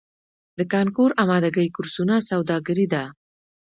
د کانکور امادګۍ کورسونه سوداګري ده؟